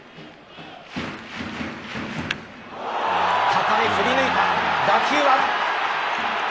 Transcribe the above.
高め振り抜いた打球は。